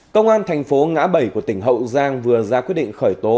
công an thành phố ngã bảy của tỉnh hậu giang vừa ra quyết định khởi tố